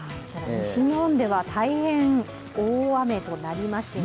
西日本では大変大雨となりました。